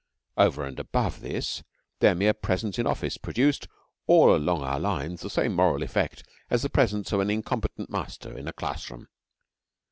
Over and above this, their mere presence in office produced all along our lines the same moral effect as the presence of an incompetent master in a classroom.